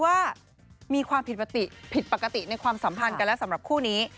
ว่ามีความผิดปกติผิดปกติในความสัมพันธ์กันแล้วสำหรับคู่นี้